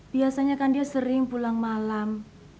biasanya kan dia sering pulang malam